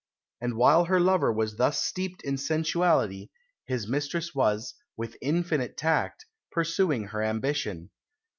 And while her lover was thus steeped in sensuality, his mistress was, with infinite tact, pursuing her ambition.